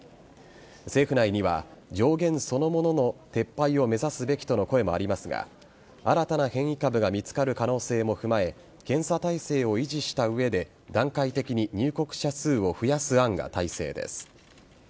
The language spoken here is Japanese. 政府内には上限そのものの撤廃を目指すべきとの声もありますが新たな変異株が見つかる可能性も踏まえ検査体制を維持した上で段階的に入国者数を増やす案が大勢です。